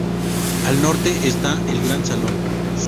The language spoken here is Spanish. Al norte está el gran Salón.